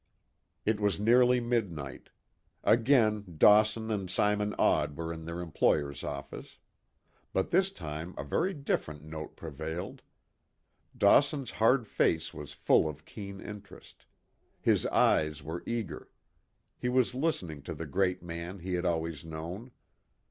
It was nearly midnight. Again Dawson and Simon Odd were in their employer's office. But this time a very different note prevailed. Dawson's hard face was full of keen interest. His eyes were eager. He was listening to the great man he had always known.